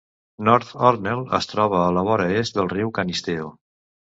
North Hornell es troba a la vora est del riu Canisteo.